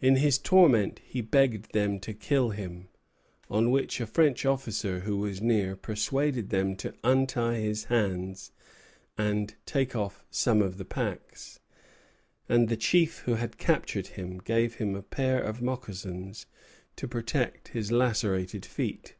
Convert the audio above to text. In his torment he begged them to kill him; on which a French officer who was near persuaded them to untie his hands and take off some of the packs, and the chief who had captured him gave him a pair of moccasons to protect his lacerated feet.